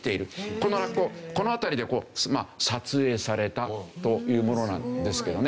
このラッコこの辺りで撮影されたというものなんですけどね。